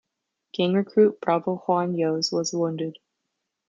Gang recruit Bravo Juan Yoas was wounded.